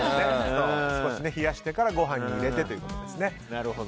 少し冷やしてからご飯に入れてということですね。